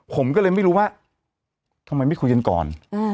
ผมก็เลยไม่รู้ว่าทำไมไม่คุยกันก่อน